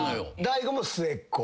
大悟も末っ子。